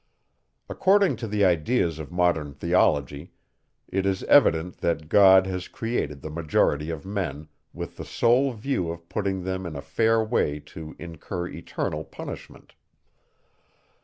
According to the ideas of modern theology, it is evident, that God has created the majority of men, with the sole view of putting them in a fair way to incur eternal punishment.